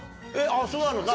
そうなの？